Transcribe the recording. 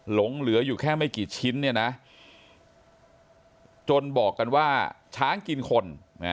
หลงเหลืออยู่แค่ไม่กี่ชิ้นเนี่ยนะจนบอกกันว่าช้างกินคน